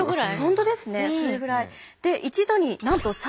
ほんとですねそれぐらい。